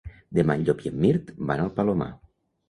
Demà en Llop i en Mirt van al Palomar.